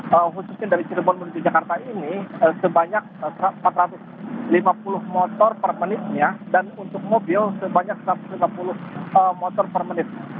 khususnya dari cirebon menuju jakarta ini sebanyak empat ratus lima puluh motor per menitnya dan untuk mobil sebanyak satu ratus lima puluh motor per menit